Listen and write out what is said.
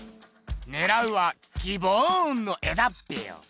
ねらうはギボーンの絵だってよ。